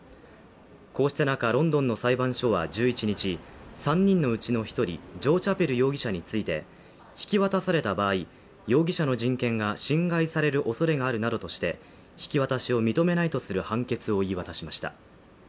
こうした中、ロンドンの裁判所は１１日、３人のうちの１人、ジョー・チャペル容疑者について引き渡された場合、容疑者の人権が侵害されるおそれがあるなどとして引き渡しを認めないとする判決を言い渡しました。